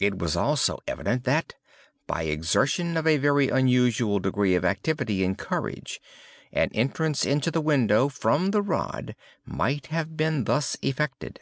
It was also evident that, by exertion of a very unusual degree of activity and courage, an entrance into the window, from the rod, might have been thus effected.